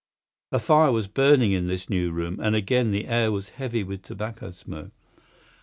A fire was burning in this new room, and again the air was heavy with tobacco smoke.